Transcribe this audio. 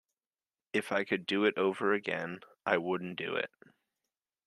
If I could do it over again I wouldn't do it.